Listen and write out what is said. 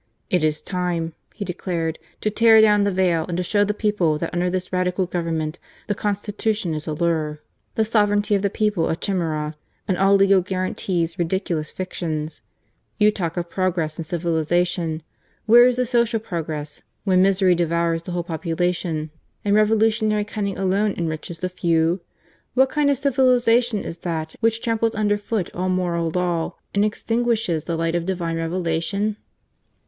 It is time," he declared, " to tear down the veil and to show the people that under this Radical Government, the constitution is a lure. 48 GARCIA MORENO. the sovereignty of the people a chimera, and all legal guarantees ridiculous fictions. You talk of progress and civilization. Where is the social progress when misery devours the whole population and revolutionary cunning alone enriches the few ? What kind of civilization is that which tramples under foot all moral law, and extinguishes the light of Divine Revelation